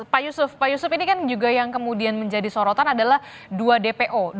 pak yusuf pak yusuf ini kan juga yang kemudian menjadi sorotan adalah dua dpo